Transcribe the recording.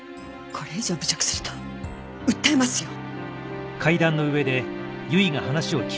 これ以上侮辱すると訴えますよ。